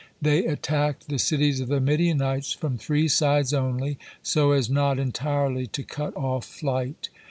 They attacked the cities of the Midianites from three sides only, so as not entirely to cut off flight.